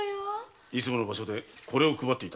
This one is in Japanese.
いつもの場所でこれを配っていたんだ。